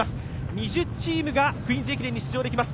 ２０チームが「クイーンズ駅伝」に出場できます。